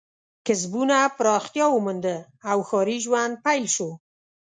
کسبونه پراختیا ومونده او ښاري ژوند پیل شو.